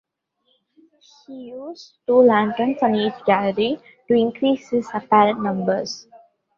He used two lanterns on each galley to increase his apparent numbers.